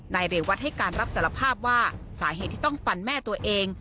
เรวัตให้การรับสารภาพว่าสาเหตุที่ต้องฟันแม่ตัวเอง